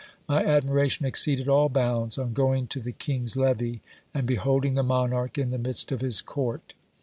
My admiration exceeded all bounds, on going to the king's levee, and behold ing the monarch in the midst of his court.